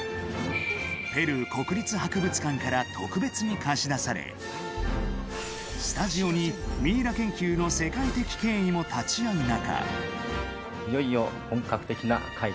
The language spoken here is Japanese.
ペルー国立博物館から特別に貸し出されスタジオにミイラ研究の世界的権威も立ち会う中。